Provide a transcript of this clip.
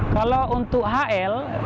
kalau untuk hl